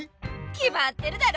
きまってるだろ！